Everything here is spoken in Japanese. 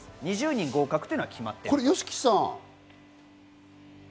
２０人合格というのは決まっています。